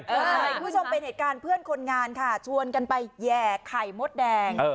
คุณผู้ชมเป็นเหตุการณ์เพื่อนคนงานค่ะชวนกันไปแห่ไข่มดแดง